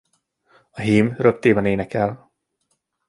A hím röptében énekel.